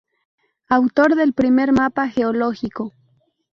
Autor del primer mapa geológico.